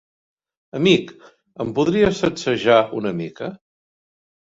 Amic, em podries sacsejar una mica?